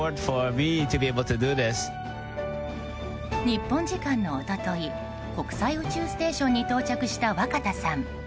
日本時間の一昨日国際宇宙ステーションに到着した若田さん。